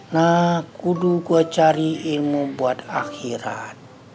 nah kudu gue cari ilmu buat akhirat